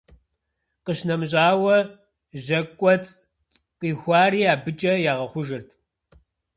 Къищынэмыщӏауэ, жьэкӏуэцӏ къихуари абыкӏэ ягъэхъужырт.